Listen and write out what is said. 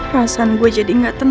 perasaan gue jadi gak tenang